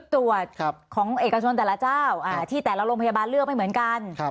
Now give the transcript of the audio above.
ตรวจของเอกชนแต่ละเจ้าที่แต่ละโรงพยาบาลเลือกไม่เหมือนกัน